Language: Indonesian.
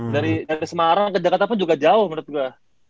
dari semarang ke jakarta pun juga jauh menurut gue